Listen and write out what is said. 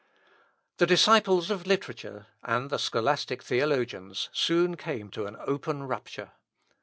The disciples of literature, and the scholastic theologians, soon came to an open rupture.